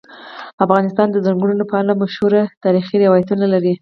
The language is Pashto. افغانستان د چنګلونه په اړه مشهور تاریخی روایتونه لري.